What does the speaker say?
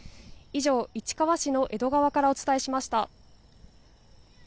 以上、市川市の江戸川からお伝えしました。